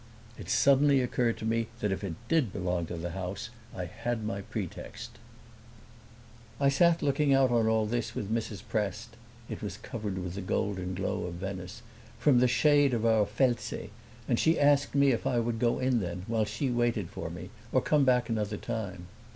It suddenly occurred to me that if it did belong to the house I had my pretext. I sat looking out on all this with Mrs. Prest (it was covered with the golden glow of Venice) from the shade of our felze, and she asked me if I would go in then, while she waited for me, or come back another time.